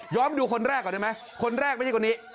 ดูคนแรกก่อนได้ไหมคนแรกไม่ใช่คนนี้